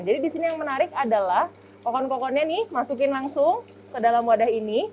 jadi di sini yang menarik adalah kokon kokonnya ini masukin langsung ke dalam wadah ini